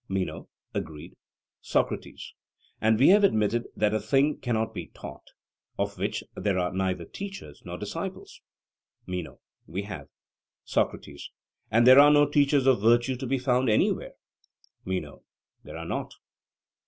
MENO: Agreed. SOCRATES: And we have admitted that a thing cannot be taught of which there are neither teachers nor disciples? MENO: We have. SOCRATES: And there are no teachers of virtue to be found anywhere? MENO: There are not.